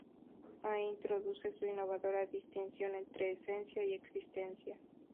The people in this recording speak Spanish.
Ahí introduce su innovadora distinción entre esencia y existencia.